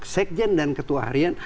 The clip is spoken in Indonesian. sekjen dan ketua harian